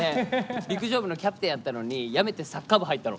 陸上部のキャプテンやったのにやめてサッカー部入ったの。